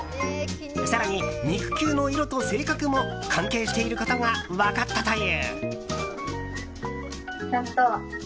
更に、肉球の色と性格も関係していることが分かったという。